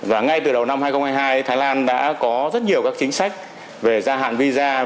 và ngay từ đầu năm hai nghìn hai mươi hai thái lan đã có rất nhiều các chính sách về gia hạn visa